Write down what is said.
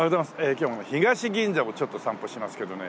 今日は東銀座をちょっと散歩しますけどね